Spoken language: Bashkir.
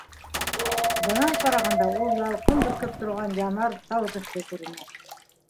Бынан ҡарағанда ул ялҡын бөркөп торған янар тау төҫлө күренә.